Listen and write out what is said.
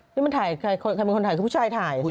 นี่มันถ่ายใครเป็นคนถ่ายคือผู้ชายถ่าย